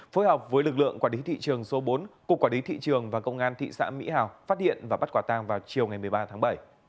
phối hợp với lực lượng quả đí thị trường số bốn của quả đí thị trường và công an thị xã mỹ hào phát hiện và bắt quả tang vào chiều ngày một mươi ba tháng bảy